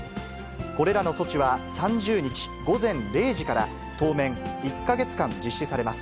これらの措置は３０日午前０時から、当面、１か月間実施されます。